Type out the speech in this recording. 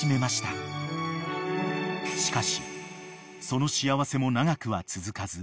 ［その幸せも長くは続かず］